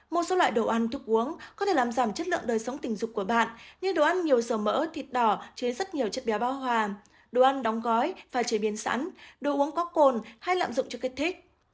một số loại đồ ăn thức uống có thể làm giảm chất lượng đời sống tình dục của bạn như đồ ăn nhiều dầu mỡ thịt đỏ chứa rất nhiều chất béo hòa đồ ăn đóng gói và chế biến sẵn đồ uống có cồn hay lạm dụng chất kích thích